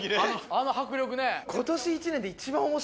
あの迫力ね。